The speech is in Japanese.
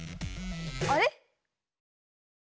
あれ？